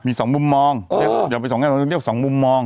มีสองมุมมองอย่าไปสองแง่เรียกสองมุมมอง